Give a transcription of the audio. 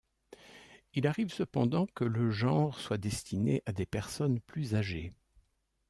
Il arrive cependant que le genre soit destiné à des personnes plus âgées.